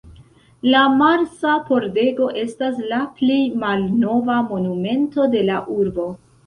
La Marsa Pordego estas la plej malnova monumento de la urbo.